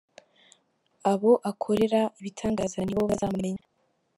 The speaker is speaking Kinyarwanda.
Abo akorera ibitangaza nibo bazamumenya